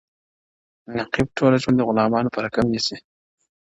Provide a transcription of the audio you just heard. نفیب ټول ژوند د غُلامانو په رکم نیسې،